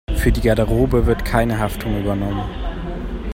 Für die Garderobe wird keine Haftung übernommen.